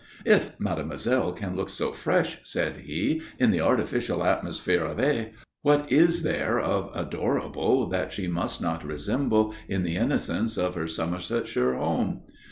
"If Mademoiselle can look so fresh," said he, "in the artificial atmosphere of Aix, what is there of adorable that she must not resemble in the innocence of her Somersetshire home?"